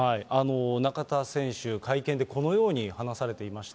中田選手、会見でこのように話されていました。